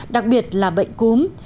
đặc biệt là bệnh cúm